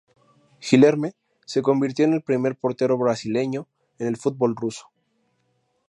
Guilherme se convirtió en el primer portero brasileño en el fútbol ruso.